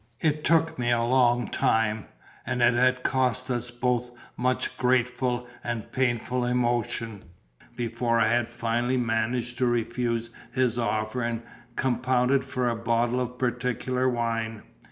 It took me a long time, and it had cost us both much grateful and painful emotion, before I had finally managed to refuse his offer and compounded for a bottle of particular wine.